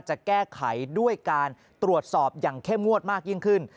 จะแก้ไขด้วยการตรวจสอบอย่างเข้มงวดมากยิ่งขึ้น